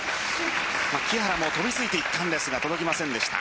木原も飛びついていったんですが届きませんでした。